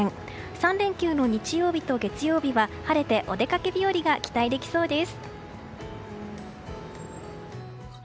３連休の日曜日と月曜日は晴れてお出かけ日和が期待できそうです。